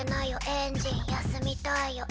エンジン休みたいよ